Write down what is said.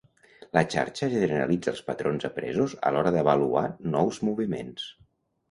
La xarxa generalitza els patrons apresos a l'hora d'avaluar nous moviments.